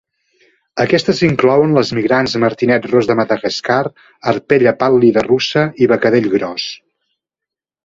Aquestes inclouen les migrants martinet ros de Madagascar, arpella pàl·lida russa i becadell gros.